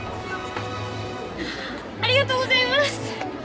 ありがとうございます！